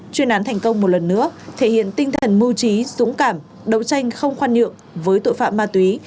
chuyên án thành công một lần nữa thể hiện tinh thần mưu trí dũng cảm đấu tranh không khoan nhượng với tội phạm ma túy